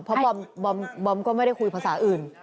เพราะบอมก็ไม่ได้คุยภาษาอื่น